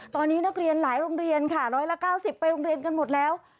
ตอนนี้นักเรียนหลายโรงเรียนค่ะ๑๙๐ไปโรงเรียนกันหมดแล้ว